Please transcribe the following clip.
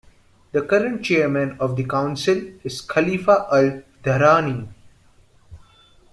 The current chairman of the Council is Khalifa Al Dhahrani.